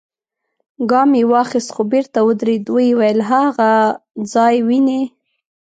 ګام يې واخيست، خو بېرته ودرېد، ويې ويل: هاغه ځای وينې؟